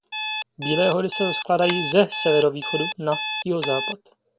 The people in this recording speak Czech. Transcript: Bílé hory se rozkládají ze severovýchodu na jihozápad.